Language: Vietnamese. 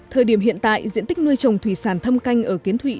thời điểm hiện tại diện tích nuôi trồng thủy sản thâm canh ở kiến thụy